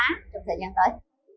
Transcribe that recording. trong thời gian tới